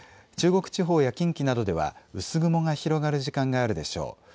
中国地方や近畿などでは薄雲が広がる時間があるでしょう。